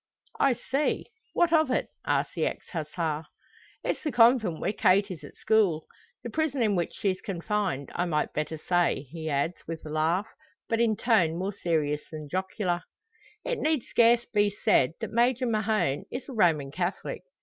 "I see what of it!" asks the ex Hussar. "It's the convent where Kate is at school the prison in which she's confined, I might better say," he adds, with a laugh, but in tone more serious than jocular. It need scarce be said that Major Mahon is a Roman Catholic.